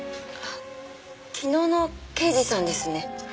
あっ昨日の刑事さんですね？